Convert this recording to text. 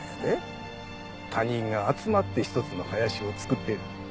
他人が集まって一つの林を作ってる。